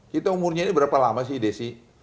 kita umurnya ini berapa lama sih desi